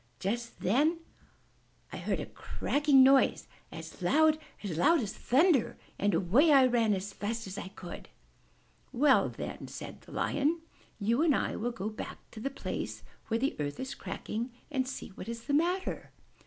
Just then I heard a 71 M Y BOOK HOUSE cracking noise, as loud — as loud as thunder — and away I ran as fast as I could." ''Well then/' said the Lion, *'you and I will go back to the place where the earth is cracking and see what is the matter.